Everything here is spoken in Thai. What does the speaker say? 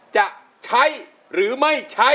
จะใช้หรือไม่ใช้